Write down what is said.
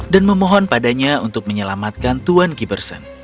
dan memohon padanya untuk menyelamatkan tuan giberson